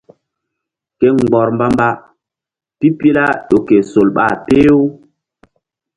Ke mgbɔr mba-mba pipila ƴo ke sol ɓa peh-u.